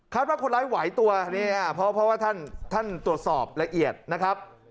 ว่าคนร้ายไหวตัวเนี่ยเพราะว่าท่านตรวจสอบละเอียดนะครับ